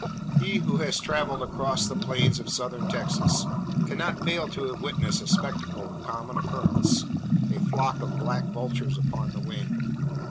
He who has travelled across the plains of Southern Texas cannot fail to have witnessed a spectacle of common occurrence a flock of black vultures upon the wing.